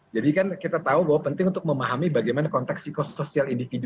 jadi kan kita tahu bahwa penting untuk memahami bagaimana konteks psikosoial individu